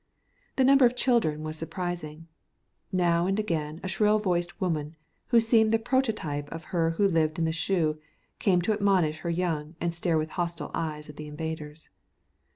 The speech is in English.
The number of children was surprising. Now and again a shrill voiced woman, who seemed the prototype of her who lived in the shoe, came to admonish her young and stare with hostile eyes at the invaders.